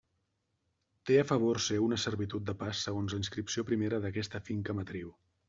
Té a favor seu una servitud de pas segons la inscripció primera d'aquesta finca matriu.